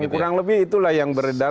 kurang lebih itulah yang beredar